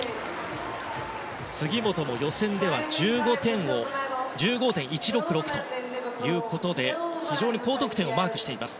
杉本も予選では１５．１６６ということで非常に高得点をマークしています。